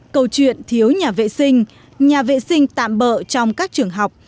câu chuyện thiếu nhà vệ sinh nhà vệ sinh tạm bỡ trong các trường học